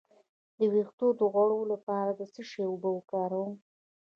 د ویښتو د غوړ لپاره د څه شي اوبه وکاروم؟